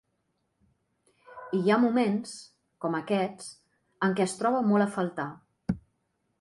I hi ha moments –com aquests– en què es troba molt a faltar.